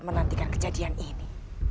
menantikan kejadian ini